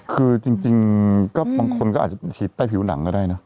คือจริงก็บางคนก็อาจจะฉีดใต้ผิวหนังก็ได้เนอะ